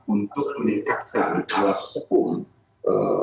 untuk meningkatkan kelas sekolah daripada komponen